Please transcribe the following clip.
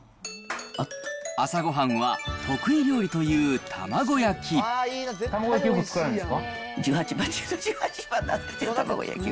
朝ごはんは得意料理という玉子焼き。